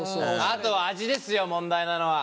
あとは味ですよ問題なのは。